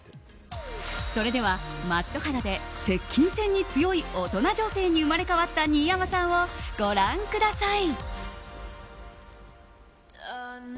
それでは、マット肌で接近戦に強い大人女性に生まれ変わった新山さんをご覧ください。